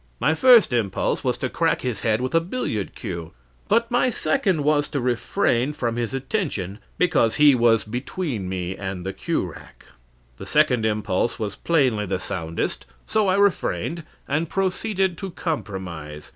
My first impulse was to crack his head with a billiard cue; but my second was to refrain from this attention, because he was between me and the cue rack. The second impulse was plainly the soundest, so I refrained, and proceeded to compromise.